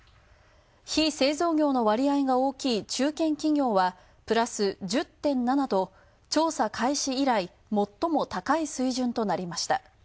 非製造業の割合が大きい中堅企業はプラス１０．７と調査開始以来、最も高い水準となりました。